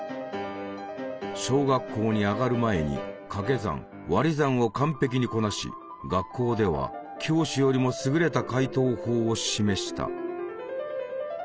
小学校にあがる前に掛け算割り算を完璧にこなし学校では教師よりも優れた解答法を示した。